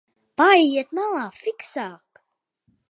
Paejiet malā, fiksāk!